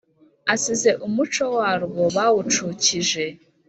Asize umuco warwo bawucukije